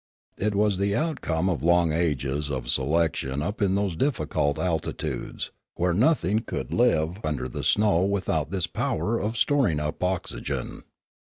It was the outcome of long ages of selection up in those difficult altitudes, where nothing could live under the snow without this power of storing up oxygen.